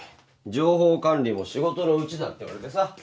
情報管理も仕事のうちだって言われてさ。